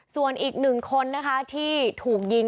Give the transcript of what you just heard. ส่วนอีกหนึ่งคนนะคะที่ถูกยิง